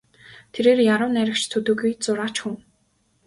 Тэрээр яруу найрагч төдийгүй зураач хүн.